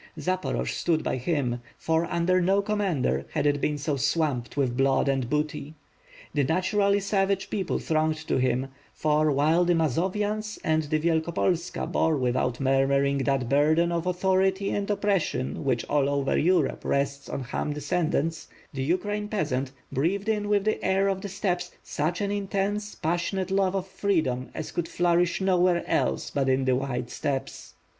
Zaporoj stood by him, for, under no commander had it been so swamped with blood and booty. The naturally savage people thronged to him, for while the Mazovians and the Vielkopol ska bore without murmuring that burden of authority and oppression which all over Europe rests on "Ham's descend ants," the Ukraine peasant breathed in with the air of the steppes such an intense, passionate love of freedom as could flourish nowhere else but in the wide steppes.